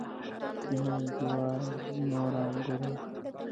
نور جوار نوره بوره.